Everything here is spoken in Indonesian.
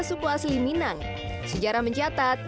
suku asli minang sejarah mencatat